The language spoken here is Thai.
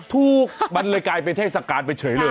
ถูกมันเลยกลายเป็นเทศกาลไปเฉยเลย